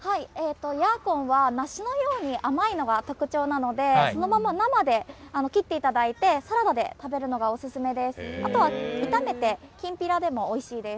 ヤーコンは、梨のように甘いのが特徴なので、そのまま生で切っていただいて、サラダで食べるのがお勧めです。